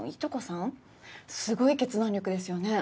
すごい決断力ですよね。